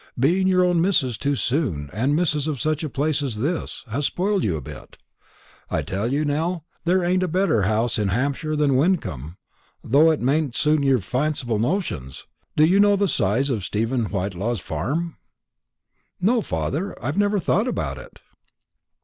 Being your own missus too soon, and missus of such a place as this, has spoiled you a bit. I tell you, Nell, there ain't a better house in Hampshire than Wyncomb, though it mayn't suit your fanciful notions. Do you know the size of Stephen Whitelaw's farm?" "No, father; I've never thought about it."